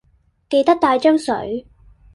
記得帶樽水